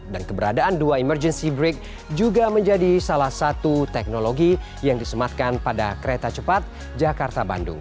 dan keberadaan dua emergency brake juga menjadi salah satu teknologi yang disematkan pada kereta cepat jakarta bandung